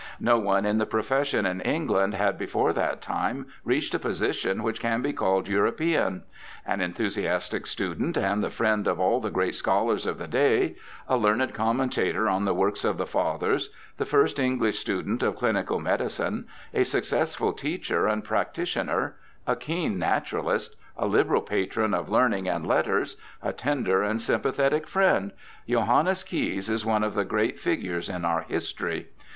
No one in the profession in England had before that time reached a position which can be called European. An enthusiastic student and the friend of all the great scholars of the day ; a learned commentator on the works of the Fathers ; the first English student of clinical medicine ; a successful teacher and practi tioner ; a keen naturalist ; a liberal patron of learning and letters; a tender and sympathetic friend — Johannes Caius is one of the great figures in our history.